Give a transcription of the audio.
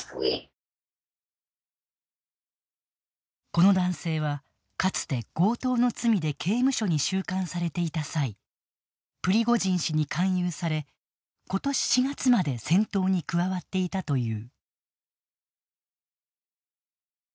この男性はかつて強盗の罪で刑務所に収監されていた際プリゴジン氏に勧誘され今年４月まで戦闘に加わっていたという。